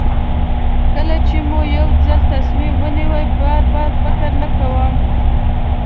کله چې مې یو ځل تصمیم ونیو بار بار فکر نه کوم.